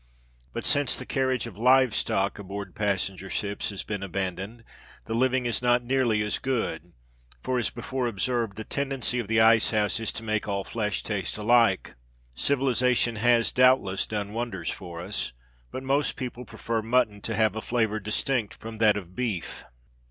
But since the carriage of live stock aboard passenger ships has been abandoned, the living is not nearly as good; for, as before observed, the tendency of the ice house is to make all flesh taste alike. Civilisation has, doubtless, done wonders for us; but most people prefer mutton to have a flavour distinct from that of beef.